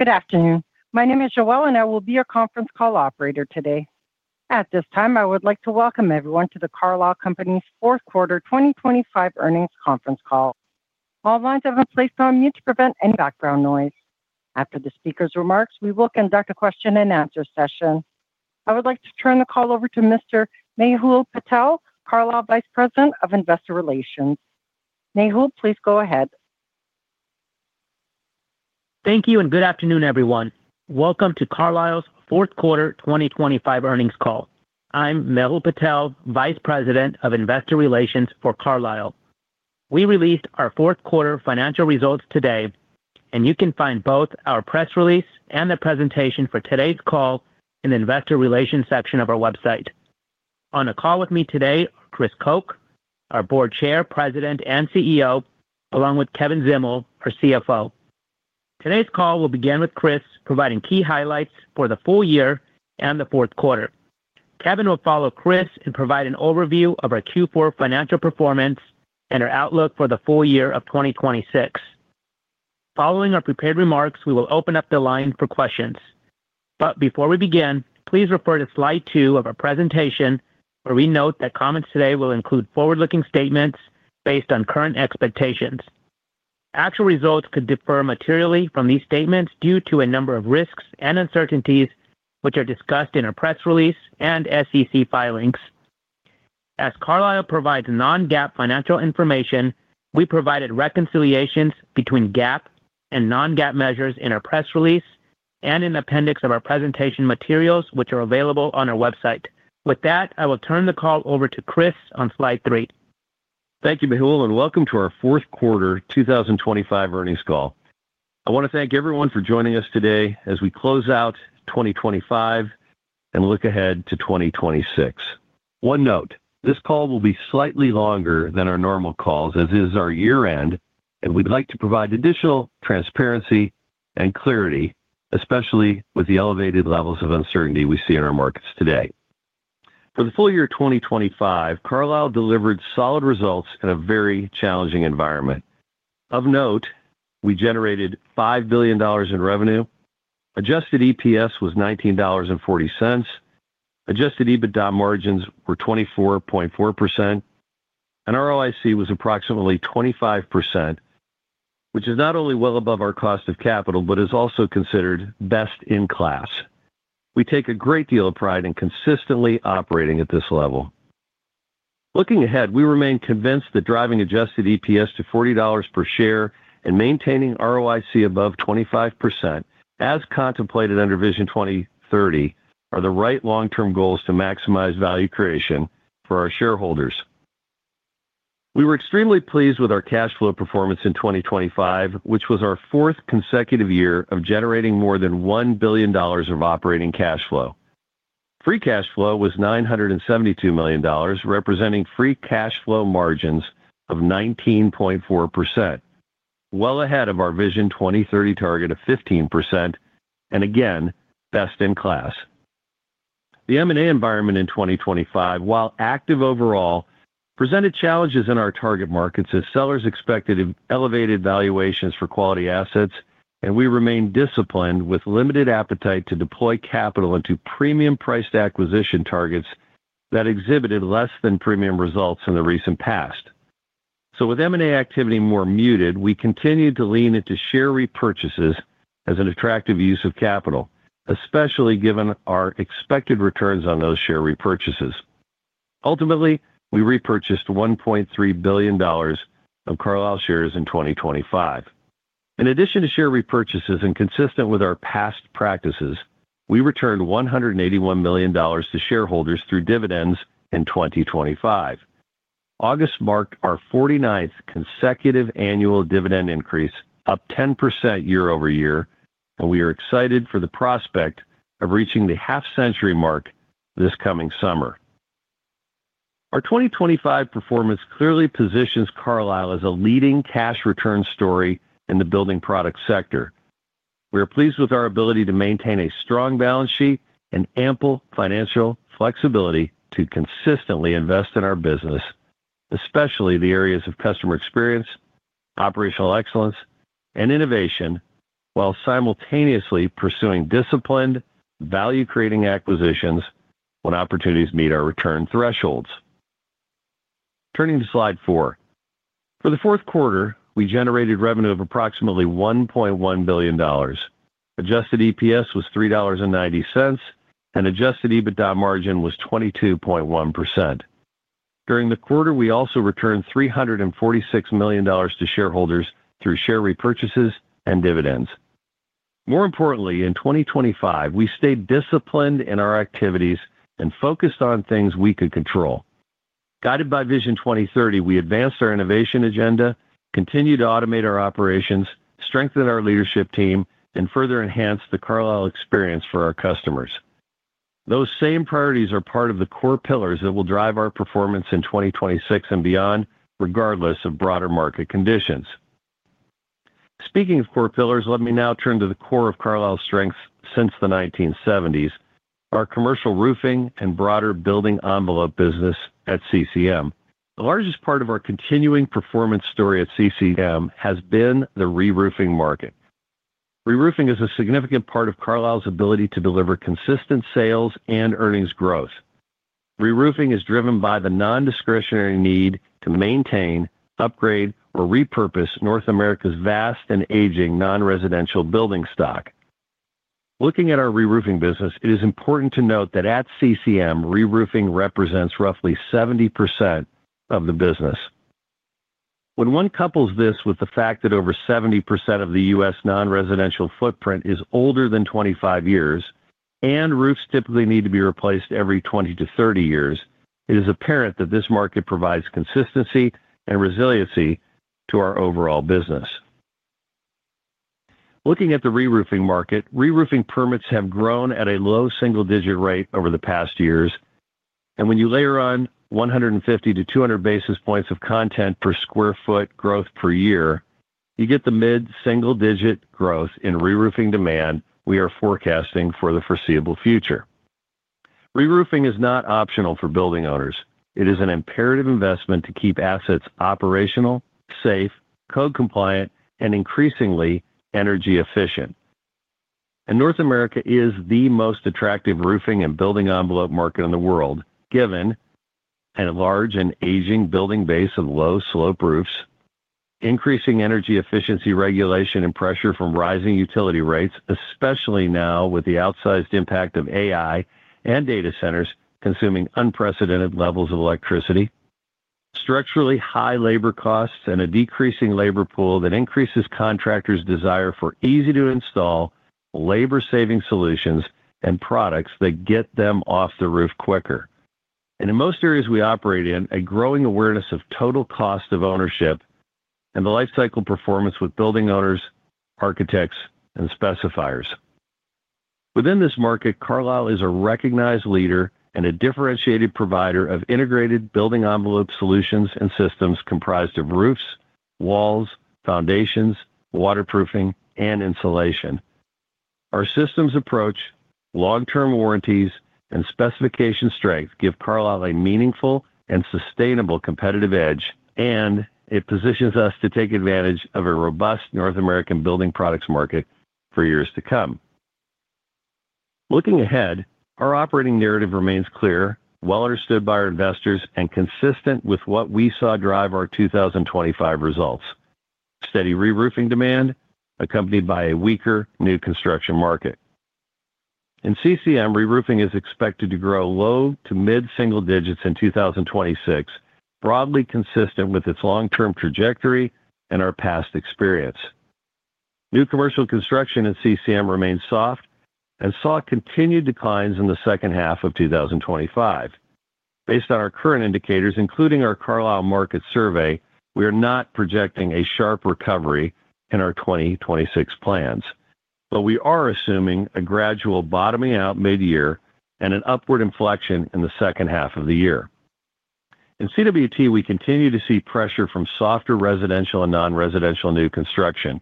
Good afternoon. My name is Joelle, and I will be your conference call operator today. At this time, I would like to welcome everyone to the Carlisle Companies' fourth quarter 2025 earnings conference call. All lines have been placed on mute to prevent any background noise. After the speaker's remarks, we will conduct a question-and-answer session. I would like to turn the call over to Mr. Mehul Patel, Carlisle Vice President of Investor Relations. Mehul, please go ahead. Thank you, and good afternoon, everyone. Welcome to Carlisle's fourth quarter 2025 earnings call. I'm Mehul Patel, Vice President of Investor Relations for Carlisle. We released our fourth quarter financial results today, and you can find both our press release and the presentation for today's call in the investor relations section of our website. On a call with me today, Chris Koch, our Board Chair, President, and CEO, along with Kevin Zdimal, our CFO. Today's call will begin with Chris providing key highlights for the full year and the fourth quarter. Kevin will follow Chris and provide an overview of our Q4 financial performance and our outlook for the full year of 2026. Following our prepared remarks, we will open up the line for questions. But before we begin, please refer to slide 2 of our presentation, where we note that comments today will include forward-looking statements based on current expectations. Actual results could differ materially from these statements due to a number of risks and uncertainties, which are discussed in our press release and SEC filings. As Carlisle provides non-GAAP financial information, we provided reconciliations between GAAP and non-GAAP measures in our press release and in appendix of our presentation materials, which are available on our website. With that, I will turn the call over to Chris on slide 3. Thank you, Mehul, and welcome to our fourth quarter 2025 earnings call. I want to thank everyone for joining us today as we close out 2025 and look ahead to 2026. One note, this call will be slightly longer than our normal calls, as is our year-end, and we'd like to provide additional transparency and clarity, especially with the elevated levels of uncertainty we see in our markets today. For the full year 2025, Carlisle delivered solid results in a very challenging environment. Of note, we generated $5 billion in revenue. Adjusted EPS was $19.40. Adjusted EBITDA margins were 24.4%, and ROIC was approximately 25%, which is not only well above our cost of capital, but is also considered best-in-class. We take a great deal of pride in consistently operating at this level. Looking ahead, we remain convinced that driving adjusted EPS to $40 per share and maintaining ROIC above 25%, as contemplated under Vision 2030, are the right long-term goals to maximize value creation for our shareholders. We were extremely pleased with our cash flow performance in 2025, which was our fourth consecutive year of generating more than $1 billion of operating cash flow. Free cash flow was $972 million, representing free cash flow margins of 19.4%, well ahead of our Vision 2030 target of 15%, and again, best in class. The M&A environment in 2025, while active overall, presented challenges in our target markets as sellers expected elevated valuations for quality assets, and we remained disciplined with limited appetite to deploy capital into premium-priced acquisition targets that exhibited less than premium results in the recent past. So with M&A activity more muted, we continued to lean into share repurchases as an attractive use of capital, especially given our expected returns on those share repurchases. Ultimately, we repurchased $1.3 billion of Carlisle shares in 2025. In addition to share repurchases, and consistent with our past practices, we returned $181 million to shareholders through dividends in 2025. August marked our 49th consecutive annual dividend increase, up 10% year-over-year, and we are excited for the prospect of reaching the half-century mark this coming summer. Our 2025 performance clearly positions Carlisle as a leading cash return story in the building product sector. We are pleased with our ability to maintain a strong balance sheet and ample financial flexibility to consistently invest in our business, especially the areas of customer experience, operational excellence, and innovation, while simultaneously pursuing disciplined, value-creating acquisitions when opportunities meet our return thresholds. Turning to Slide 4. For the fourth quarter, we generated revenue of approximately $1.1 billion. Adjusted EPS was $3.90, and adjusted EBITDA margin was 22.1%. During the quarter, we also returned $346 million to shareholders through share repurchases and dividends. More importantly, in 2025, we stayed disciplined in our activities and focused on things we could control. Guided by Vision 2030, we advanced our innovation agenda, continued to automate our operations, strengthened our leadership team, and further enhanced the Carlisle experience for our customers. Those same priorities are part of the core pillars that will drive our performance in 2026 and beyond, regardless of broader market conditions. Speaking of core pillars, let me now turn to the core of Carlisle's strength since the 1970s, our commercial roofing and broader building envelope business at CCM. The largest part of our continuing performance story at CCM has been the reroofing market. Reroofing is a significant part of Carlisle's ability to deliver consistent sales and earnings growth. Reroofing is driven by the non-discretionary need to maintain, upgrade, or repurpose North America's vast and aging non-residential building stock. Looking at our reroofing business, it is important to note that at CCM, reroofing represents roughly 70% of the business. When one couples this with the fact that over 70% of the US non-residential footprint is older than 25 years, and roofs typically need to be replaced every 20-30 years, it is apparent that this market provides consistency and resiliency to our overall business. Looking at the reroofing market, reroofing permits have grown at a low single-digit rate over the past years, and when you layer on 150-200 basis points of content per sq ft growth per year, you get the mid-single-digit growth in reroofing demand we are forecasting for the foreseeable future. Reroofing is not optional for building owners. It is an imperative investment to keep assets operational, safe, code-compliant, and increasingly energy-efficient. North America is the most attractive roofing and building envelope market in the world, given a large and aging building base of low-slope roofs, increasing energy efficiency regulation and pressure from rising utility rates, especially now with the outsized impact of AI and data centers consuming unprecedented levels of electricity, structurally high labor costs, and a decreasing labor pool that increases contractors' desire for easy-to-install, labor-saving solutions and products that get them off the roof quicker. In most areas we operate in, a growing awareness of total cost of ownership and the lifecycle performance with building owners, architects, and specifiers. Within this market, Carlisle is a recognized leader and a differentiated provider of integrated building envelope solutions and systems comprised of roofs, walls, foundations, waterproofing, and insulation. Our systems approach, long-term warranties, and specification strength give Carlisle a meaningful and sustainable competitive edge, and it positions us to take advantage of a robust North American building products market for years to come. Looking ahead, our operating narrative remains clear, well understood by our investors, and consistent with what we saw drive our 2025 results: steady reroofing demand, accompanied by a weaker new construction market. In CCM, reroofing is expected to grow low to mid-single digits in 2026, broadly consistent with its long-term trajectory and our past experience. New commercial construction in CCM remains soft and saw continued declines in the second half of 2025. Based on our current indicators, including our Carlisle Market Survey, we are not projecting a sharp recovery in our 2026 plans, but we are assuming a gradual bottoming out mid-year and an upward inflection in the second half of the year. In CWT, we continue to see pressure from softer residential and non-residential new construction,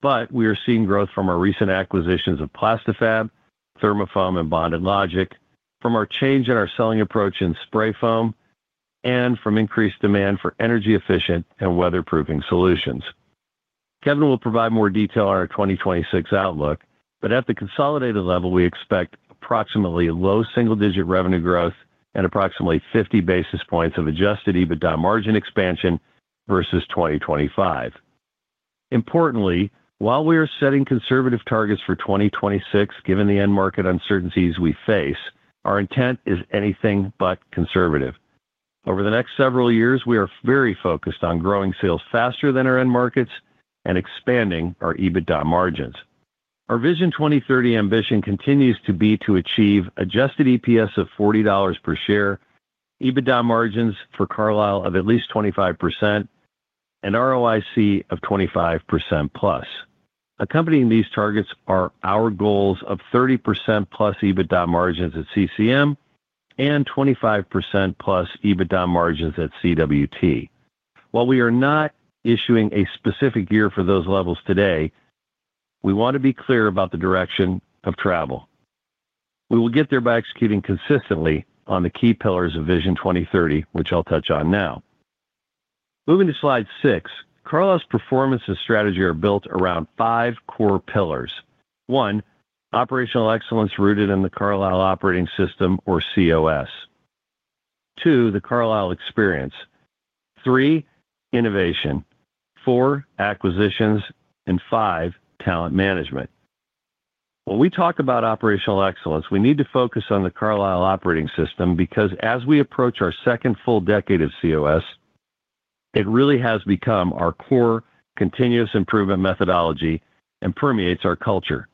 but we are seeing growth from our recent acquisitions of Plasti-Fab, Thermafoam, and Bonded Logic, from our change in our selling approach in spray foam, and from increased demand for energy-efficient and weatherproofing solutions. Kevin will provide more detail on our 2026 outlook, but at the consolidated level, we expect approximately low single-digit revenue growth and approximately 50 basis points of adjusted EBITDA margin expansion versus 2025. Importantly, while we are setting conservative targets for 2026, given the end market uncertainties we face, our intent is anything but conservative. Over the next several years, we are very focused on growing sales faster than our end markets and expanding our EBITDA margins. Our Vision 2030 ambition continues to be to achieve adjusted EPS of $40 per share, EBITDA margins for Carlisle of at least 25%, and ROIC of 25%+. Accompanying these targets are our goals of 30%+ EBITDA margins at CCM and 25%+ EBITDA margins at CWT. While we are not issuing a specific year for those levels today, we want to be clear about the direction of travel. We will get there by executing consistently on the key pillars of Vision 2030, which I'll touch on now. Moving to slide 6, Carlisle's performance and strategy are built around 5 core pillars. One, operational excellence rooted in the Carlisle Operating System, or COS. Two, the Carlisle Experience. Three, innovation. 4, acquisitions, and 5, talent management. When we talk about operational excellence, we need to focus on the Carlisle Operating System, because as we approach our second full decade of COS, it really has become our core continuous improvement methodology and permeates our culture.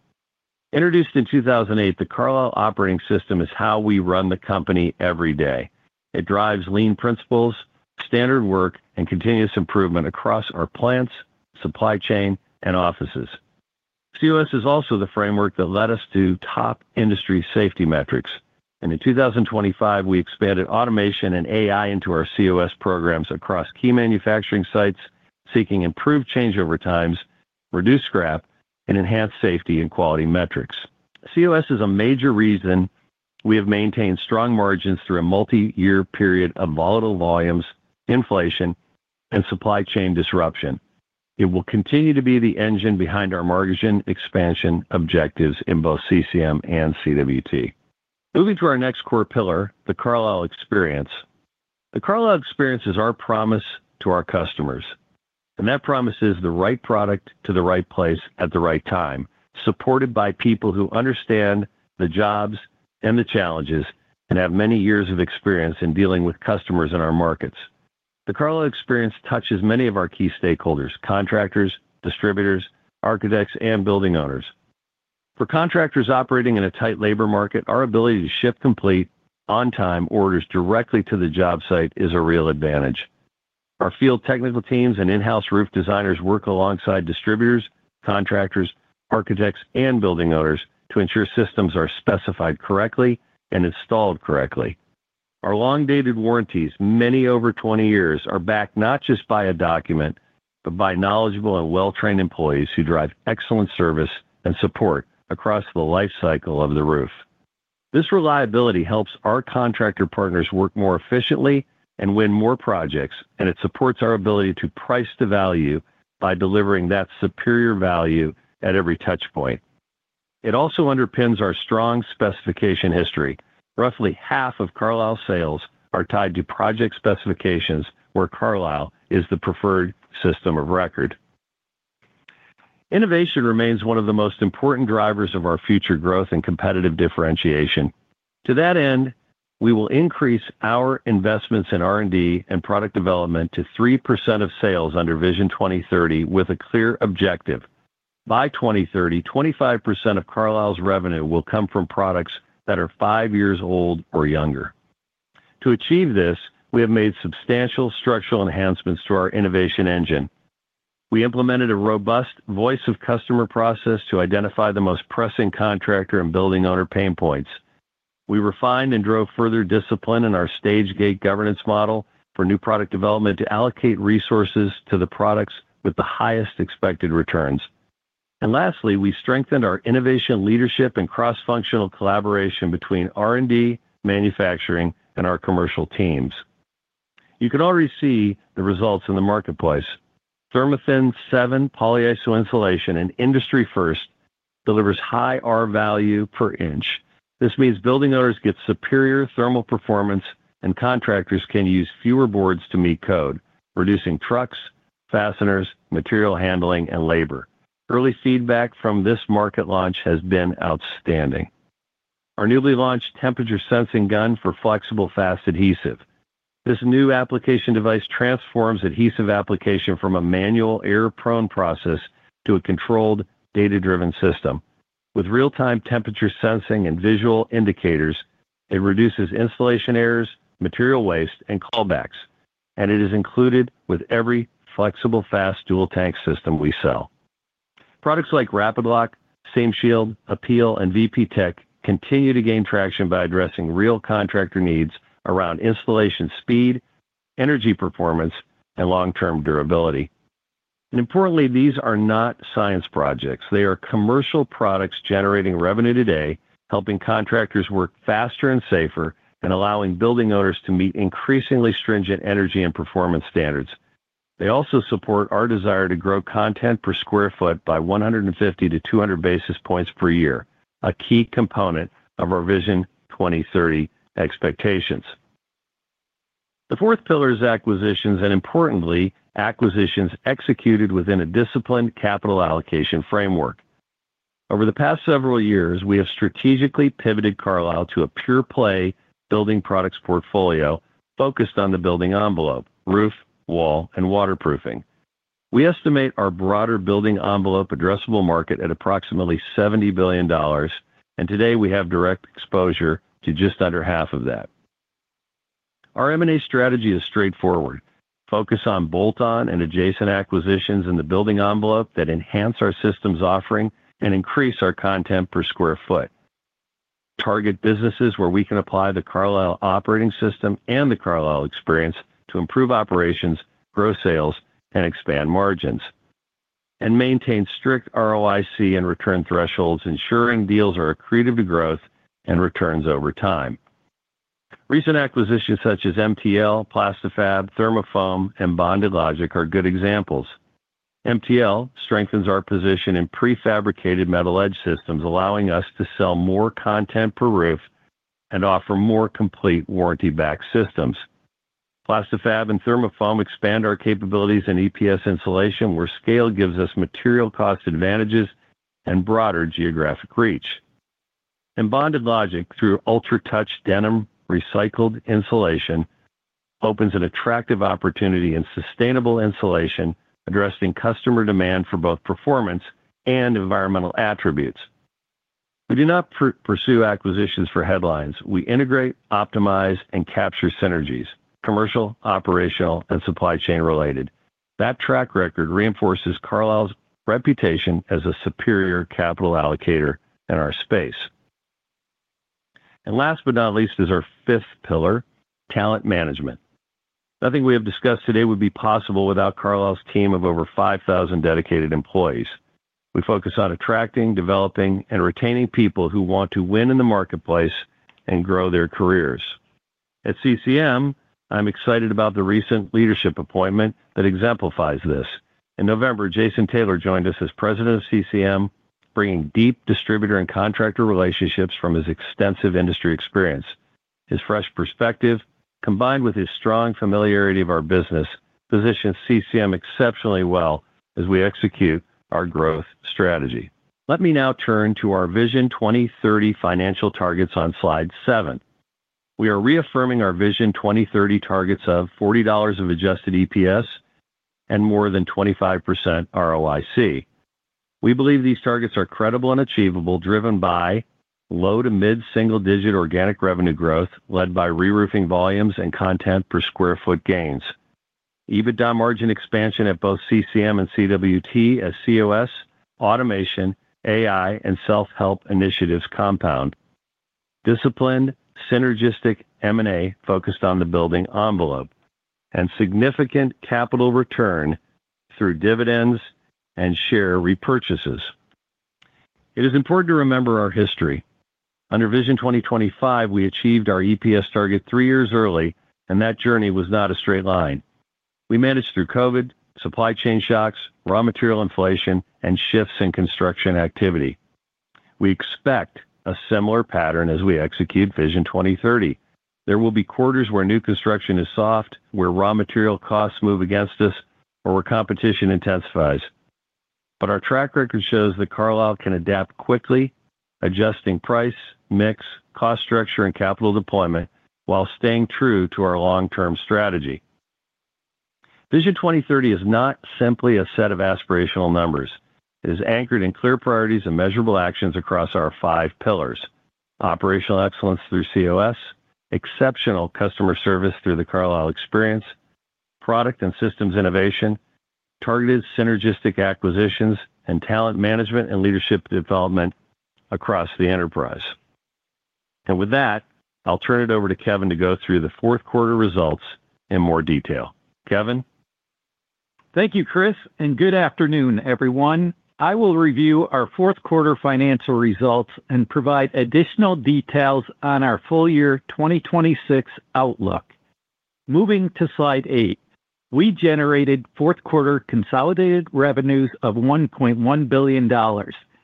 Introduced in 2008, the Carlisle Operating System is how we run the company every day. It drives lean principles, standard work, and continuous improvement across our plants, supply chain, and offices. COS is also the framework that led us to top industry safety metrics, and in 2025, we expanded automation and AI into our COS programs across key manufacturing sites, seeking improved changeover times, reduce scrap, and enhance safety and quality metrics. COS is a major reason we have maintained strong margins through a multi-year period of volatile volumes, inflation, and supply chain disruption. It will continue to be the engine behind our margin expansion objectives in both CCM and CWT. Moving to our next core pillar, the Carlisle Experience. The Carlisle Experience is our promise to our customers, and that promise is the right product to the right place at the right time, supported by people who understand the jobs and the challenges and have many years of experience in dealing with customers in our markets. The Carlisle Experience touches many of our key stakeholders, contractors, distributors, architects, and building owners. For contractors operating in a tight labor market, our ability to ship complete on-time orders directly to the job site is a real advantage. Our field technical teams and in-house roof designers work alongside distributors, contractors, architects, and building owners to ensure systems are specified correctly and installed correctly. Our long-dated warranties, many over 20 years, are backed not just by a document, but by knowledgeable and well-trained employees who drive excellent service and support across the lifecycle of the roof. This reliability helps our contractor partners work more efficiently and win more projects, and it supports our ability to price the value by delivering that superior value at every touchpoint. It also underpins our strong specification history. Roughly half of Carlisle sales are tied to project specifications, where Carlisle is the preferred system of record. Innovation remains one of the most important drivers of our future growth and competitive differentiation. To that end, we will increase our investments in R&D and product development to 3% of sales under Vision 2030, with a clear objective: by 2030, 25% of Carlisle's revenue will come from products that are 5 years old or younger. To achieve this, we have made substantial structural enhancements to our innovation engine. We implemented a robust voice-of-customer process to identify the most pressing contractor and building owner pain points. We refined and drove further discipline in our stage gate governance model for new product development to allocate resources to the products with the highest expected returns. Lastly, we strengthened our innovation leadership and cross-functional collaboration between R&D, manufacturing, and our commercial teams. You can already see the results in the marketplace. ThermaThin 7 polyiso insulation, an industry first, delivers high R-value per inch. This means building owners get superior thermal performance, and contractors can use fewer boards to meet code, reducing trucks, fasteners, material handling, and labor. Early feedback from this market launch has been outstanding. Our newly launched temperature sensing gun for Flexible FAST adhesive. This new application device transforms adhesive application from a manual, error-prone process to a controlled, data-driven system. With real-time temperature sensing and visual indicators, it reduces installation errors, material waste, and callbacks, and it is included with Flexible FAST dual tank system we sell. Products like RapidLock, SeamShield, APEEL, and VP Tech continue to gain traction by addressing real contractor needs around installation speed, energy performance, and long-term durability. Importantly, these are not science projects. They are commercial products generating revenue today, helping contractors work faster and safer, and allowing building owners to meet increasingly stringent energy and performance standards. They also support our desire to grow content per square foot by 150-200 basis points per year, a key component of our Vision 2030 expectations. The fourth pillar is acquisitions and, importantly, acquisitions executed within a disciplined capital allocation framework. Over the past several years, we have strategically pivoted Carlisle to a pure-play building products portfolio focused on the building envelope: roof, wall, and waterproofing. We estimate our broader building envelope addressable market at approximately $70 billion, and today, we have direct exposure to just under half of that. Our M&A strategy is straightforward: Focus on bolt-on and adjacent acquisitions in the building envelope that enhance our systems offering and increase our content per square foot. Target businesses where we can apply the Carlisle operating system and the Carlisle Experience to improve operations, grow sales, and expand margins, and maintain strict ROIC and return thresholds, ensuring deals are accretive to growth and returns over time. Recent acquisitions such as MTL, Plasti-Fab, Thermafoam, and Bonded Logic are good examples. MTL strengthens our position in prefabricated metal edge systems, allowing us to sell more content per roof and offer more complete warranty-backed systems. Plasti-Fab and Thermafoam expand our capabilities in EPS insulation, where scale gives us material cost advantages and broader geographic reach. Bonded Logic, through UltraTouch Denim recycled insulation, opens an attractive opportunity in sustainable insulation, addressing customer demand for both performance and environmental attributes. We do not pursue acquisitions for headlines. We integrate, optimize, and capture synergies, commercial, operational, and supply chain-related. That track record reinforces Carlisle's reputation as a superior capital allocator in our space. Last but not least, is our fifth pillar: talent management. Nothing we have discussed today would be possible without Carlisle's team of over 5,000 dedicated employees. We focus on attracting, developing, and retaining people who want to win in the marketplace and grow their careers. At CCM, I'm excited about the recent leadership appointment that exemplifies this. In November, Jason Taylor joined us as President of CCM, bringing deep distributor and contractor relationships from his extensive industry experience. His fresh perspective, combined with his strong familiarity of our business, positions CCM exceptionally well as we execute our growth strategy. Let me now turn to our Vision 2030 financial targets on slide 7. We are reaffirming our Vision 2030 targets of $40 of adjusted EPS and more than 25% ROIC. We believe these targets are credible and achievable, driven by low to mid-single-digit organic revenue growth, led by reroofing volumes and content per sq ft gains. EBITDA margin expansion at both CCM and CWT as COS, automation, AI, and self-help initiatives compound. Disciplined, synergistic M&A focused on the building envelope, and significant capital return through dividends and share repurchases. It is important to remember our history. Under Vision 2025, we achieved our EPS target 3 years early, and that journey was not a straight line. We managed through COVID, supply chain shocks, raw material inflation, and shifts in construction activity. We expect a similar pattern as we execute Vision 2030. There will be quarters where new construction is soft, where raw material costs move against us, or where competition intensifies. But our track record shows that Carlisle can adapt quickly, adjusting price, mix, cost structure, and capital deployment while staying true to our long-term strategy. Vision 2030 is not simply a set of aspirational numbers. It is anchored in clear priorities and measurable actions across our 5 pillars: operational excellence through COS, exceptional customer service through the Carlisle Experience, product and systems innovation, targeted synergistic acquisitions, and talent management and leadership development across the enterprise. With that, I'll turn it over to Kevin to go through the fourth quarter results in more detail. Kevin? Thank you, Chris, and good afternoon, everyone. I will review our fourth quarter financial results and provide additional details on our full year 2026 outlook. Moving to slide 8, we generated fourth quarter consolidated revenues of $1.1 billion,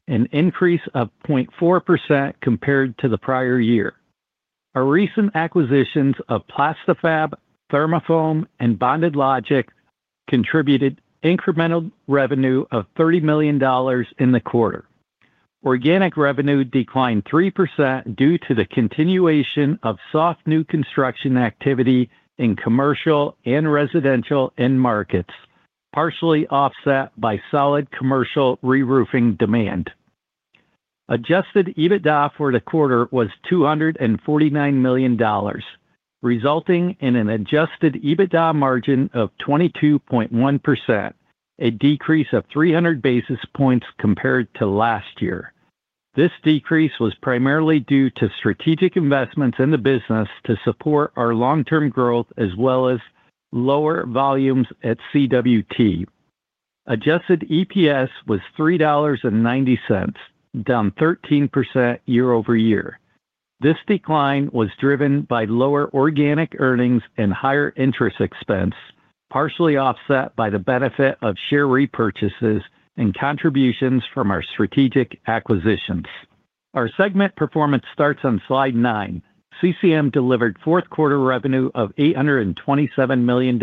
an increase of 0.4% compared to the prior year. Our recent acquisitions of Plasti-Fab, Thermafoam, and Bonded Logic contributed incremental revenue of $30 million in the quarter. Organic revenue declined 3% due to the continuation of soft new construction activity in commercial and residential end markets, partially offset by solid commercial reroofing demand. Adjusted EBITDA for the quarter was $249 million, resulting in an adjusted EBITDA margin of 22.1%, a decrease of 300 basis points compared to last year. This decrease was primarily due to strategic investments in the business to support our long-term growth, as well as lower volumes at CWT. Adjusted EPS was $3.90, down 13% year-over-year. This decline was driven by lower organic earnings and higher interest expense, partially offset by the benefit of share repurchases and contributions from our strategic acquisitions. Our segment performance starts on slide 9. CCM delivered fourth quarter revenue of $827 million,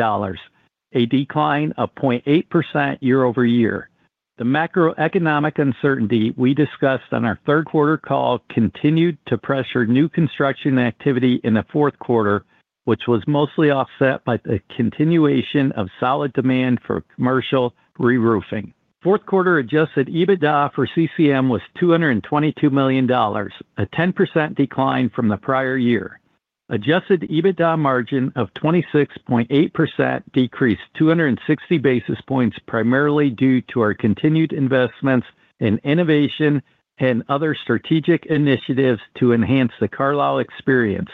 a decline of 0.8% year-over-year. The macroeconomic uncertainty we discussed on our third quarter call continued to pressure new construction activity in the fourth quarter, which was mostly offset by the continuation of solid demand for commercial reroofing. Fourth quarter adjusted EBITDA for CCM was $222 million, a 10% decline from the prior year. Adjusted EBITDA margin of 26.8% decreased 260 basis points, primarily due to our continued investments in innovation and other strategic initiatives to enhance the Carlisle experience,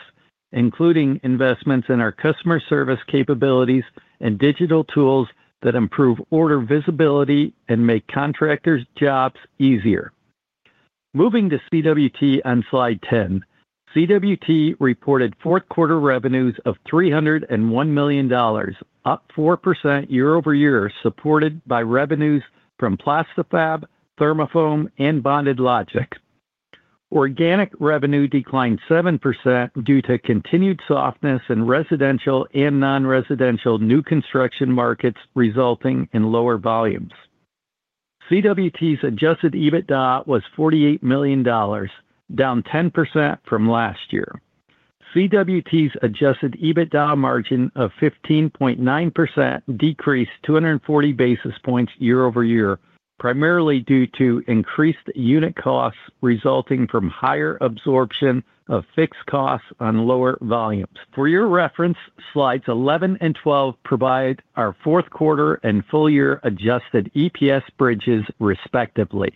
including investments in our customer service capabilities and digital tools that improve order visibility and make contractors' jobs easier. Moving to CWT on slide 10. CWT reported fourth quarter revenues of $301 million, up 4% year-over-year, supported by revenues from Plasti-Fab, Thermafoam, and Bonded Logic. Organic revenue declined 7% due to continued softness in residential and non-residential new construction markets, resulting in lower volumes. CWT's adjusted EBITDA was $48 million, down 10% from last year. CWT's adjusted EBITDA margin of 15.9% decreased 240 basis points year-over-year, primarily due to increased unit costs resulting from higher absorption of fixed costs on lower volumes. For your reference, slides 11 and 12 provide our fourth quarter and full year adjusted EPS bridges, respectively.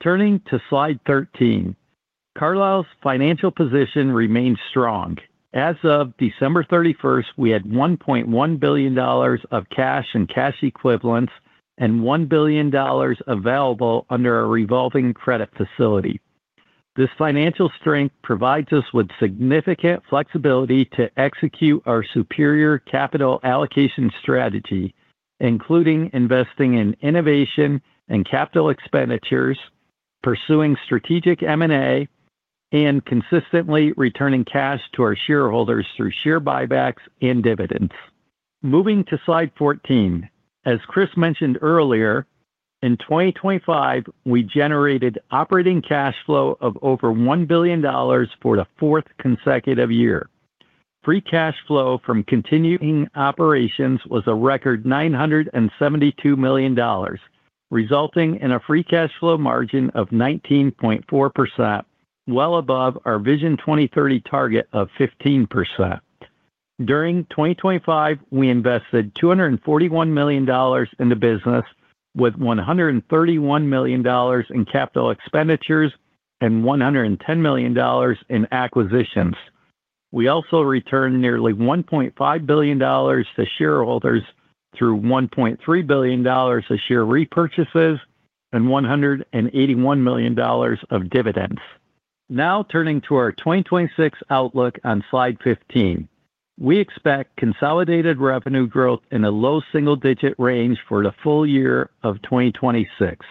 Turning to slide 13, Carlisle's financial position remains strong. As of December 31st, we had $1.1 billion of cash and cash equivalents and $1 billion available under a revolving credit facility. This financial strength provides us with significant flexibility to execute our superior capital allocation strategy, including investing in innovation and capital expenditures, pursuing strategic M&A, and consistently returning cash to our shareholders through share buybacks and dividends. Moving to slide 14. As Chris mentioned earlier, in 2025, we generated operating cash flow of over $1 billion for the fourth consecutive year. Free cash flow from continuing operations was a record $972 million, resulting in a free cash flow margin of 19.4%, well above our Vision 2030 target of 15%. During 2025, we invested $241 million in the business, with $131 million in capital expenditures and $110 million in acquisitions. We also returned nearly $1.5 billion to shareholders through $1.3 billion to share repurchases and $181 million of dividends. Now, turning to our 2026 outlook on slide 15. We expect consolidated revenue growth in a low single-digit range for the full year of 2026.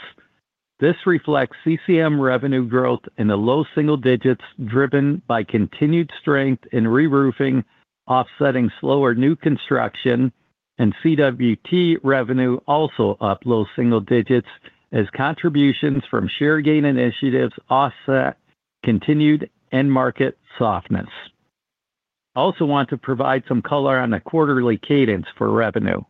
This reflects CCM revenue growth in the low single digits, driven by continued strength in reroofing, offsetting slower new construction, and CWT revenue also up low single digits as contributions from share gain initiatives offset continued end market softness. I also want to provide some color on the quarterly cadence for revenue.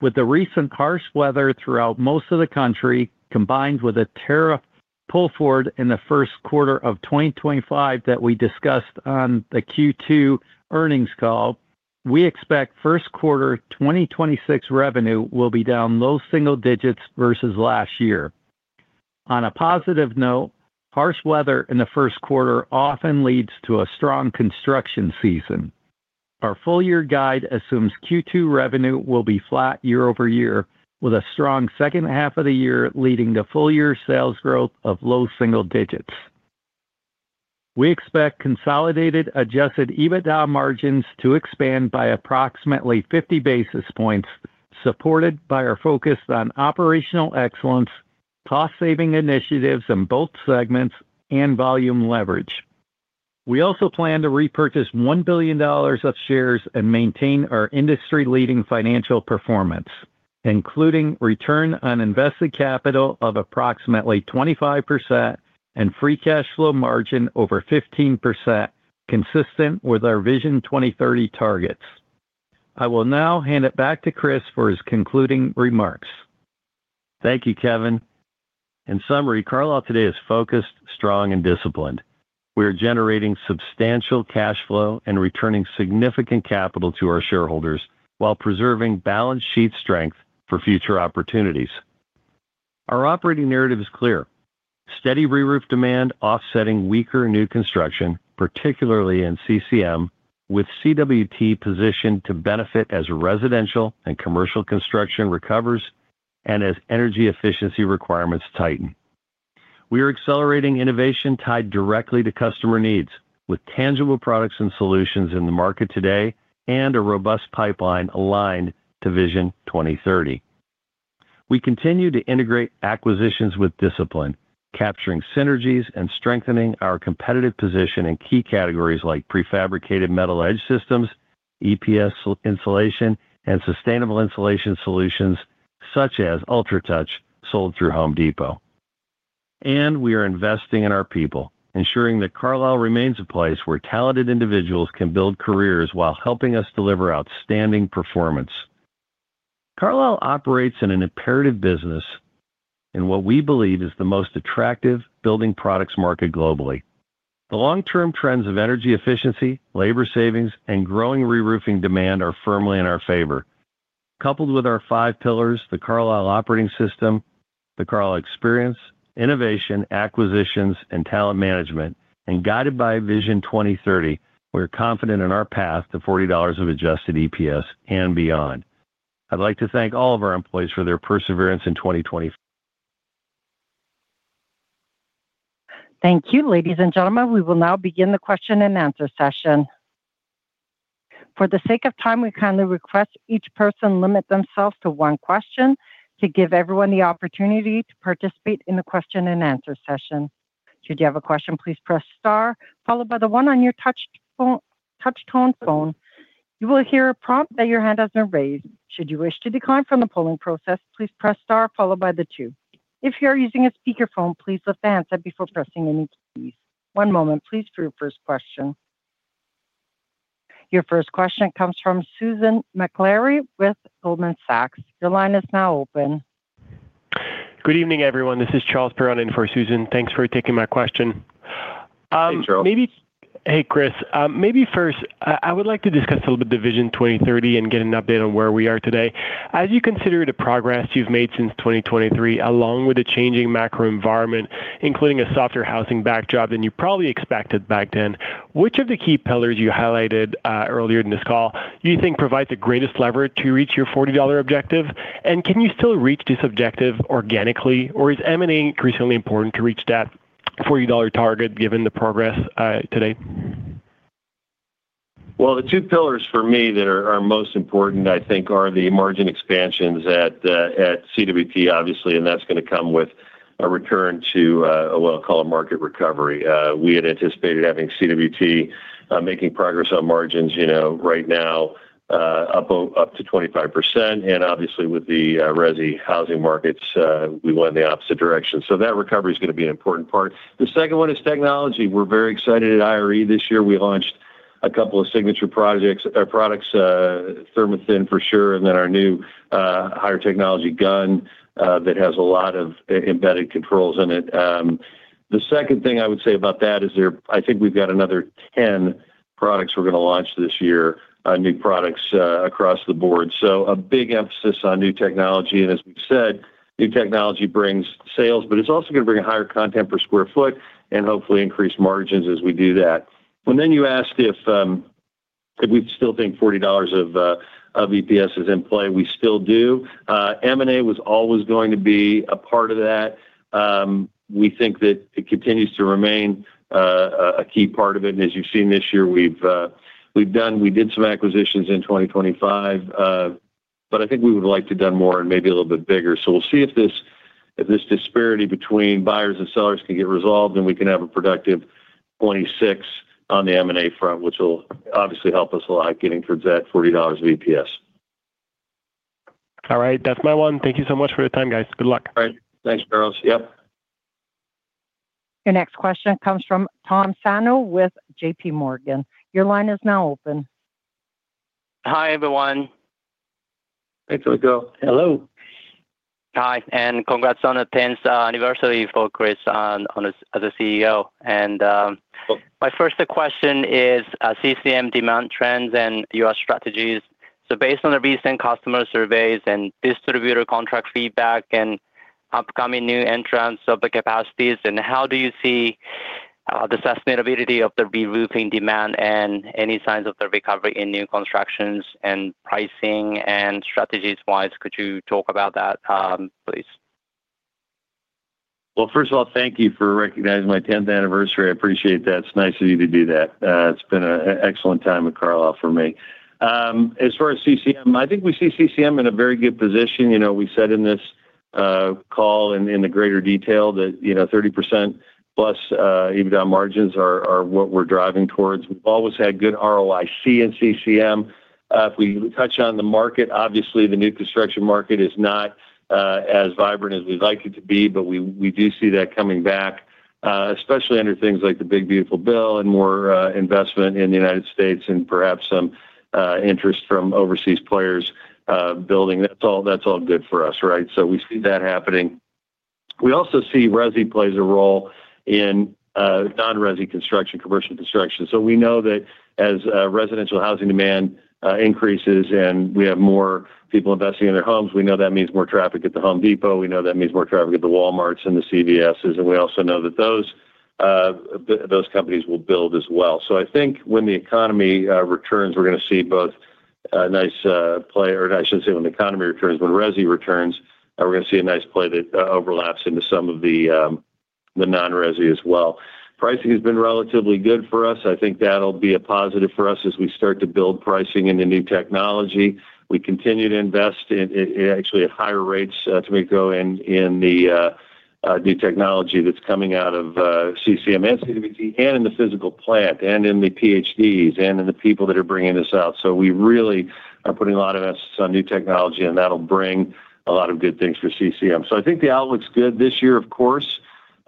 With the recent harsh weather throughout most of the country, combined with a tariff pull forward in the first quarter of 2025 that we discussed on the Q2 earnings call, we expect first quarter 2026 revenue will be down low single digits versus last year. On a positive note, harsh weather in the first quarter often leads to a strong construction season. Our full year guide assumes Q2 revenue will be flat year-over-year, with a strong second half of the year leading to full year sales growth of low single digits. We expect consolidated adjusted EBITDA margins to expand by approximately 50 basis points, supported by our focus on operational excellence, cost-saving initiatives in both segments, and volume leverage. We also plan to repurchase $1 billion of shares and maintain our industry-leading financial performance, including return on invested capital of approximately 25% and free cash flow margin over 15%, consistent with our Vision 2030 targets. I will now hand it back to Chris for his concluding remarks. Thank you, Kevin. In summary, Carlisle today is focused, strong, and disciplined. We are generating substantial cash flow and returning significant capital to our shareholders while preserving balance sheet strength for future opportunities. Our operating narrative is clear: steady reroof demand offsetting weaker new construction, particularly in CCM, with CWT positioned to benefit as residential and commercial construction recovers and as energy efficiency requirements tighten. We are accelerating innovation tied directly to customer needs, with tangible products and solutions in the market today and a robust pipeline aligned to Vision 2030. We continue to integrate acquisitions with discipline, capturing synergies and strengthening our competitive position in key categories like prefabricated metal edge systems, EPS insulation, and sustainable insulation solutions, such as UltraTouch, sold through Home Depot. We are investing in our people, ensuring that Carlisle remains a place where talented individuals can build careers while helping us deliver outstanding performance. Carlisle operates in an imperative business in what we believe is the most attractive building products market globally. The long-term trends of energy efficiency, labor savings, and growing reroofing demand are firmly in our favor. Coupled with our five pillars, the Carlisle Operating System, the Carlisle Experience, innovation, acquisitions, and talent management, and guided by Vision 2030, we're confident in our path to $40 of adjusted EPS and beyond. I'd like to thank all of our employees for their perseverance in 2020- Thank you. Ladies and gentlemen, we will now begin the question-and-answer session. For the sake of time, we kindly request each person limit themselves to one question to give everyone the opportunity to participate in the question-and-answer session. Should you have a question, please press star, followed by the one on your touchtone phone. You will hear a prompt that your hand has been raised. Should you wish to decline from the polling process, please press star followed by the two. If you are using a speakerphone, please listen before pressing any keys. One moment, please, for your first question. Your first question comes from Susan Maklari with Goldman Sachs. Your line is now open. Good evening, everyone. This is Charles Perron in for Susan. Thanks for taking my question. Hey, Chris, maybe first, I would like to discuss a little bit the Vision 2030 and get an update on where we are today. As you consider the progress you've made since 2023, along with the changing macro environment, including a softer housing backdrop than you probably expected back then, which of the key pillars you highlighted earlier in this call do you think provides the greatest leverage to reach your $40 objective? And can you still reach this objective organically, or is M&A increasingly important to reach that $40 target, given the progress today? Well, the two pillars for me that are most important, I think, are the margin expansions at CWT, obviously, and that's gonna come with a return to what I'll call a market recovery. We had anticipated having CWT making progress on margins, you know, right now, up to 25%, and obviously, with the resi housing markets, we went in the opposite direction. So that recovery is gonna be an important part. The second one is technology. We're very excited at IRE. This year, we launched a couple of signature projects—products, ThermaThin for sure, and then our new higher technology gun that has a lot of embedded controls in it. The second thing I would say about that is, I think we've got another 10 products we're gonna launch this year, new products, across the board. So a big emphasis on new technology, and as we've said, new technology brings sales, but it's also gonna bring a higher content per square foot and hopefully increase margins as we do that. Well, then you asked if we still think $40 of EPS is in play. We still do. M&A was always going to be a part of that. We think that it continues to remain a key part of it, and as you've seen this year, we did some acquisitions in 2025. But I think we would like to done more and maybe a little bit bigger. So we'll see if this disparity between buyers and sellers can get resolved, and we can have a productive 2026 on the M&A front, which will obviously help us a lot getting towards that $40 of EPS. All right. That's my one. Thank you so much for your time, guys. Good luck. All right. Thanks, Charles. Yep. Your next question comes from Tom Sano with J.P. Morgan. Your line is now open. Hi, everyone. Thanks, Sano. Hello. Hi, and congrats on the tenth anniversary for Chris as the CEO. My first question is, CCM demand trends and U.S. strategies. So based on the recent customer surveys and distributor contract feedback and upcoming new entrants, the capacities, and how do you see the sustainability of the reroofing demand and any signs of the recovery in new constructions and pricing and strategies-wise? Could you talk about that, please? Well, first of all, thank you for recognizing my tenth anniversary. I appreciate that. It's nice of you to do that. It's been an excellent time at Carlisle for me. As far as CCM, I think we see CCM in a very good position. You know, we said in this call and in the greater detail that, you know, 30%+ EBITDA margins are what we're driving towards. We've always had good ROIC in CCM. If we touch on the market, obviously, the new construction market is not as vibrant as we'd like it to be, but we do see that coming back, especially under things like the Big Beautiful Bill and more investment in the United States and perhaps some interest from overseas players building. That's all, that's all good for us, right? So we see that happening. We also see resi plays a role in non-resi construction, commercial construction. So we know that as residential housing demand increases and we have more people investing in their homes, we know that means more traffic at the Home Depot. We know that means more traffic at the Walmarts and the CVSs, and we also know that those companies will build as well. So I think when the economy returns, we're gonna see both nice play or I should say, when the economy returns, when resi returns, we're gonna see a nice play that overlaps into some of the non-resi as well. Pricing has been relatively good for us. I think that'll be a positive for us as we start to build pricing in the new technology. We continue to invest in actually at higher rates as we go into the new technology that's coming out of CCM and CWT and in the physical plant and in the PhDs and in the people that are bringing this out. So we really are putting a lot of emphasis on new technology, and that'll bring a lot of good things for CCM. So I think the outlook's good this year,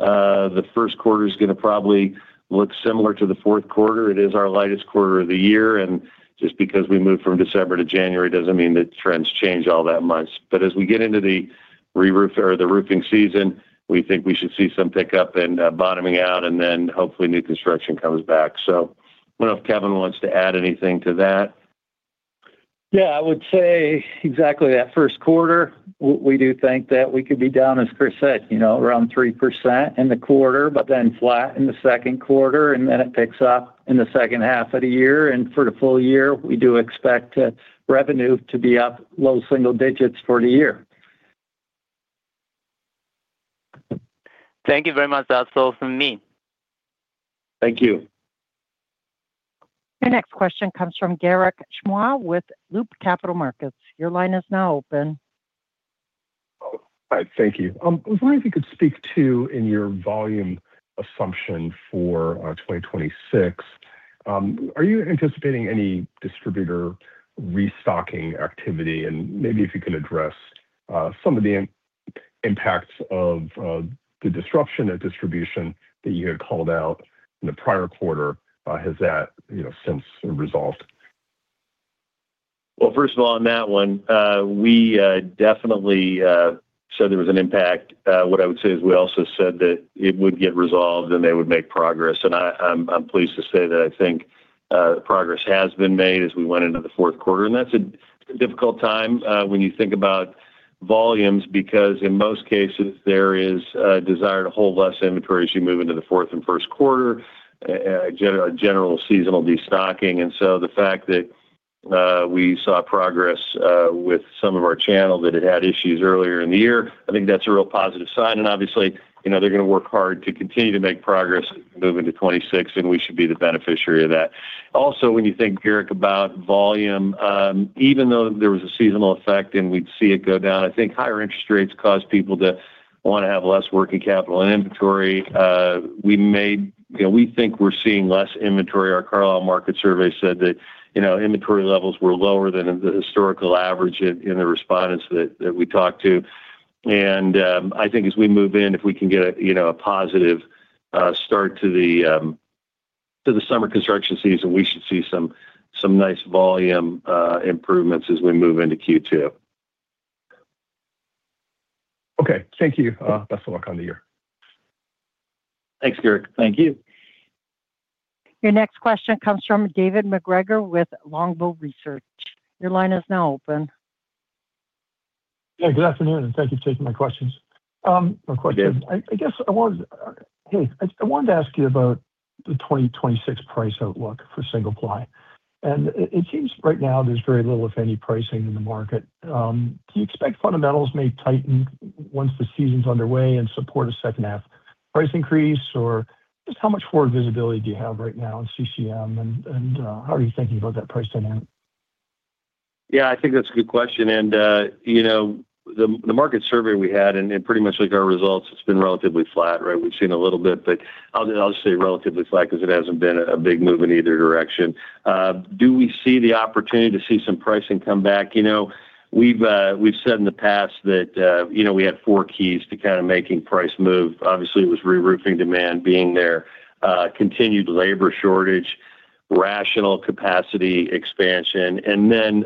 of course. The first quarter is gonna probably look similar to the fourth quarter. It is our lightest quarter of the year, and just because we moved from December to January doesn't mean that trends change all that much. But as we get into the reroof or the roofing season, we think we should see some pickup and bottoming out, and then hopefully, new construction comes back. I don't know if Kevin wants to add anything to that. Yeah, I would say exactly that first quarter, we do think that we could be down, as Chris said, you know, around 3% in the quarter, but then flat in the second quarter, and then it picks up in the second half of the year. For the full year, we do expect the revenue to be up low single digits for the year. Thank you very much. That's all from me. Thank you. Your next question comes from Garik Shmois with Loop Capital. Your line is now open. Hi, thank you. I was wondering if you could speak to, in your volume assumption for 2026, are you anticipating any distributor restocking activity? And maybe if you could address some of the impacts of the disruption at distribution that you had called out in the prior quarter, has that, you know, since resolved?... Well, first of all, on that one, we definitely said there was an impact. What I would say is we also said that it would get resolved, and they would make progress. And I'm pleased to say that I think progress has been made as we went into the fourth quarter. And that's a difficult time when you think about volumes. Because in most cases, there is a desire to hold less inventory as you move into the fourth and first quarter, and a general seasonal destocking. And so the fact that we saw progress with some of our channels that had had issues earlier in the year, I think that's a real positive sign. Obviously, you know, they're gonna work hard to continue to make progress moving to 2026, and we should be the beneficiary of that. Also, when you think, Garik, about volume, even though there was a seasonal effect, and we'd see it go down, I think higher interest rates cause people to wanna have less working capital and inventory. You know, we think we're seeing less inventory. Our Carlisle market survey said that, you know, inventory levels were lower than the historical average in the respondents that we talked to. I think as we move in, if we can get a, you know, a positive start to the summer construction season, we should see some nice volume improvements as we move into Q2. Okay. Thank you. Best of luck on the year. Thanks, Garik. Thank you. Your next question comes from David MacGregor with Longbow Research. Your line is now open. Yeah, good afternoon, and thank you for taking my questions. My question- Hey, David. I guess I wanted to ask you about the 2026 price outlook for single ply. And it seems right now there's very little, if any, pricing in the market. Do you expect fundamentals may tighten once the season's underway and support a second half price increase? Or just how much forward visibility do you have right now in CCM, and how are you thinking about that price dynamic? Yeah, I think that's a good question. And, you know, the market survey we had, and pretty much like our results, it's been relatively flat, right? We've seen a little bit, but I'll just say relatively flat 'cause it hasn't been a big move in either direction. Do we see the opportunity to see some pricing come back? You know, we've said in the past that, you know, we had four keys to kinda making price move. Obviously, it was reroofing demand being there, continued labor shortage, rational capacity expansion, and then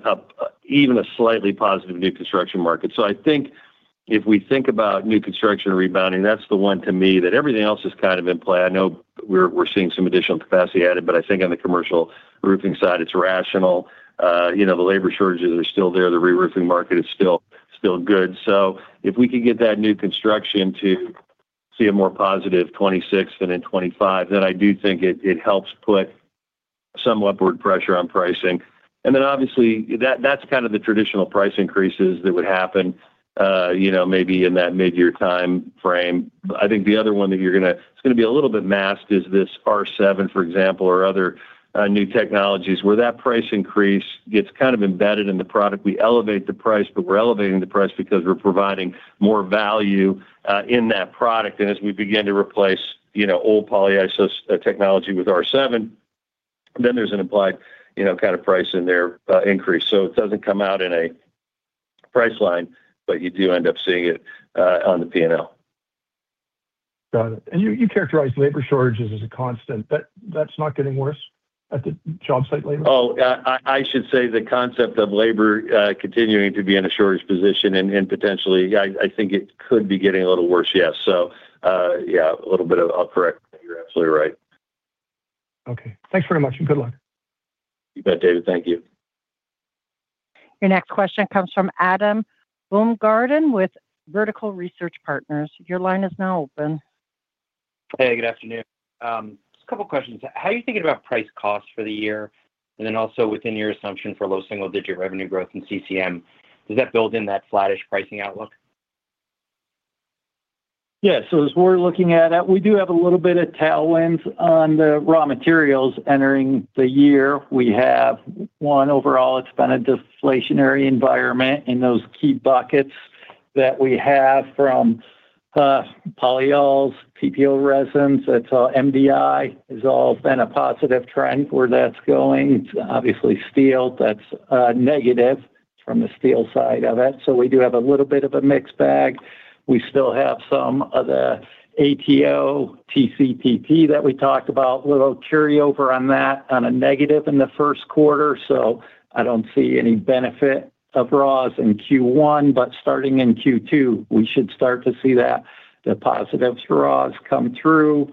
even a slightly positive new construction market. So I think if we think about new construction rebounding, that's the one to me that everything else is kind of in play. I know we're seeing some additional capacity added, but I think on the commercial roofing side, it's rational. You know, the labor shortages are still there. The reroofing market is still good. So if we could get that new construction to see a more positive 2026 and in 2025, then I do think it helps put some upward pressure on pricing. And then, obviously, that's kind of the traditional price increases that would happen, you know, maybe in that midyear timeframe. I think the other one that it's gonna be a little bit masked, is this R7, for example, or other new technologies, where that price increase gets kind of embedded in the product. We elevate the price, but we're elevating the price because we're providing more value in that product. As we begin to replace, you know, old polyiso technology with R7, then there's an implied, you know, kind of price in there increase. It doesn't come out in a price line, but you do end up seeing it on the P&L. Got it. And you characterized labor shortages as a constant, but that's not getting worse at the job site labor? Oh, I should say the concept of labor continuing to be in a shortage position and potentially, I think it could be getting a little worse, yes. So, yeah, a little bit of... I'll correct. You're absolutely right. Okay. Thanks very much, and good luck. You bet, David. Thank you. Your next question comes from Adam Baumgarten with Vertical Research Partners. Your line is now open. Hey, good afternoon. Just a couple questions. How are you thinking about price costs for the year? And then also, within your assumption for low single-digit revenue growth in CCM, does that build in that flattish pricing outlook? Yeah. So as we're looking at it, we do have a little bit of tailwinds on the raw materials entering the year. We have, one, overall, it's been a deflationary environment in those key buckets that we have from polyols, TPO resins, that's MDI, has all been a positive trend where that's going. It's obviously steel that's negative from the steel side of it. So we do have a little bit of a mixed bag. We still have some of the ATO, TCPP that we talked about, a little carryover on that on a negative in the first quarter. So I don't see any benefit of raws in Q1, but starting in Q2, we should start to see that, the positives raws come through.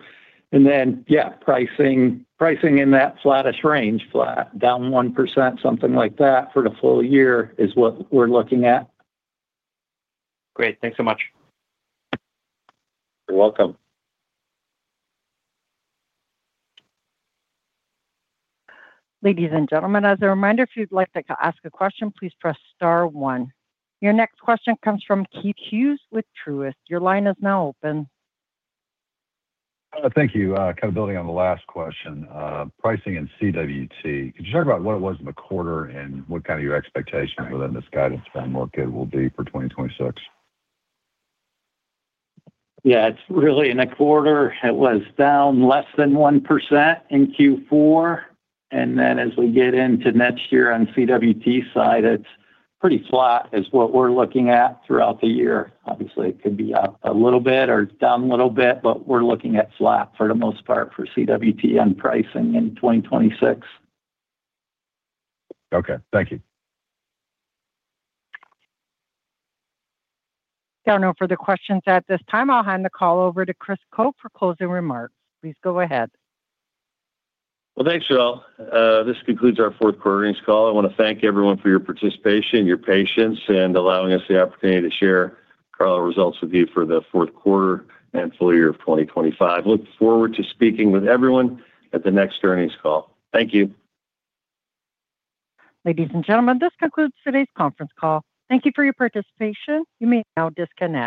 And then, yeah, pricing, pricing in that flattish range, flat, down 1%, something like that, for the full year is what we're looking at. Great. Thanks so much. You're welcome. Ladies and gentlemen, as a reminder, if you'd like to ask a question, please press star one. Your next question comes from Keith Hughes with Truist. Your line is now open. Thank you. Kind of building on the last question, pricing in CWT, could you talk about what it was in the quarter and what kind of your expectations within this guidance framework it will be for 2026? Yeah, it's really in a quarter, it was down less than 1% in Q4. And then as we get into next year on CWT side, it's pretty flat, is what we're looking at throughout the year. Obviously, it could be up a little bit or down a little bit, but we're looking at flat for the most part for CWT on pricing in 2026. Okay. Thank you. There are no further questions at this time. I'll hand the call over to Chris Koch for closing remarks. Please go ahead. Well, thanks, you all. This concludes our fourth quarter earnings call. I wanna thank everyone for your participation, your patience, and allowing us the opportunity to share Carlisle results with you for the fourth quarter and full year of 2025. Look forward to speaking with everyone at the next earnings call. Thank you. Ladies and gentlemen, this concludes today's conference call. Thank you for your participation. You may now disconnect.